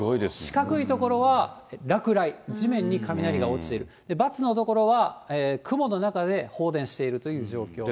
四角い所は落雷、地面に雷が落ちている、×の所は雲の中で放電しているという状況です。